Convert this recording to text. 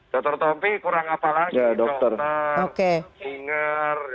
dr tompi kurang apa lagi dokter singer